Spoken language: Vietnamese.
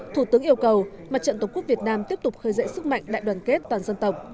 thủ tướng yêu cầu mà trận tổng quốc việt nam tiếp tục khởi dậy sức mạnh đại đoàn kết toàn dân tộc